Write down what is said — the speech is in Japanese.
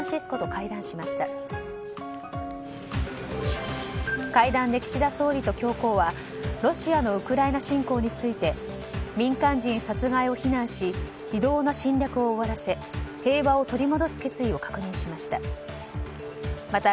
会談で岸田総理と教皇はロシアのウクライナ侵攻について民間人殺害を非難し非道な侵略を終わらせ平和を取り戻す決意を確認しました。